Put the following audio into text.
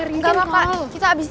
ini ga akan ada stress